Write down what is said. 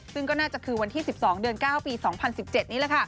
ซึ่งก็น่าจะคือวันที่๑๒เดือน๙ปี๒๐๑๗นี่แหละค่ะ